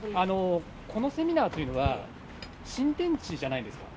このセミナーというのは、新天地じゃないですか？